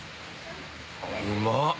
うまっ！